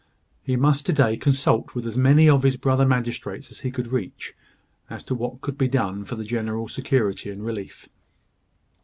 He must to day consult with as many of his brother magistrates as he could reach, as to what could be done for the general security and relief.